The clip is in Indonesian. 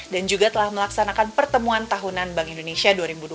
dan juga telah melaksanakan pertemuan tahunan bank indonesia dua ribu dua puluh tiga